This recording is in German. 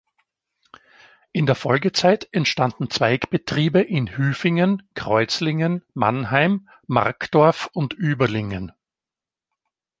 In der Folgezeit entstanden Zweigbetriebe in Hüfingen, Kreuzlingen, Mannheim, Markdorf und Überlingen.